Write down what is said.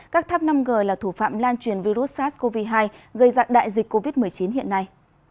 các tháp năm g là thủ phạm lan truyền virus sars cov hai gây dặn đại dịch covid một mươi chín hiện nay